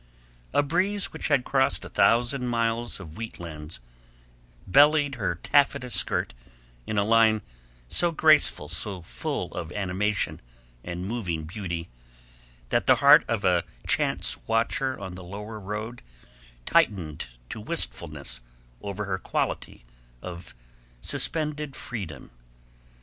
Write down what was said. A breeze which had crossed a thousand miles of wheat lands bellied her taffeta skirt in a line so graceful, so full of animation and moving beauty, that the heart of a chance watcher on the lower road tightened to wistfulness over her quality of suspended freedom.